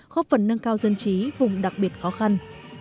góp phần nâng cao dân trí vùng đặc biệt khó khăn